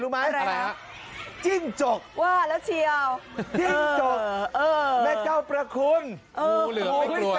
งูเหลืองไม่กลัวงูไม่เจอ